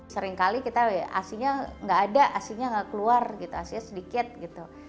seringkali kita asi nya gak ada asi nya gak keluar gitu asi nya sedikit gitu